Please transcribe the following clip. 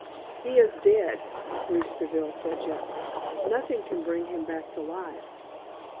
"He is dead," Bruce Deville said, gently. "Nothing can bring him back to life.